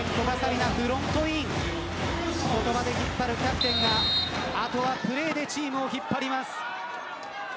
ここまで引っ張るキャプテンがあとはプレーでチームを引っ張ります。